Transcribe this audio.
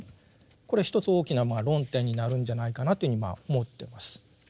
これは一つ大きな論点になるんじゃないかなというふうに思ってます。